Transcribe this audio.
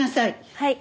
はい。